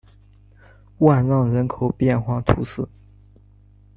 万让人口变化图示